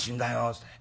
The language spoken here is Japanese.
っつって